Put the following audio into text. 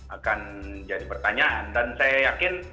akan jadi pertanyaan dan saya yakin